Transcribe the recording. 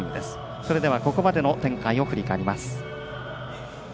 それではここまでの展開を振り返ります。